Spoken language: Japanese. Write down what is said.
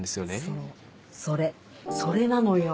そうそれそれなのよ。